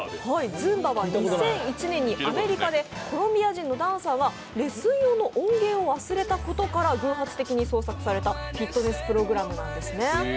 ズンバは２００１年にアメリカで、コロンビア人のダンサーがレッスン用の音源を忘れたことから偶発的に創作されたフィットネスプログラムなんですね。